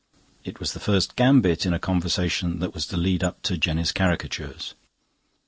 It was the first gambit in a conversation that was to lead up to Jenny's caricatures.